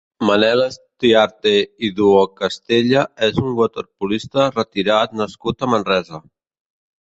Manel Estiarte i Duocastella és un waterpolista retirat nascut a Manresa.